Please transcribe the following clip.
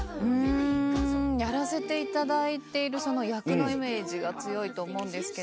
んやらせていただいているその役のイメージが強いと思うんですけど。